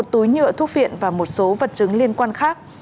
một túi nhựa thuốc viện và một số vật chứng liên quan khác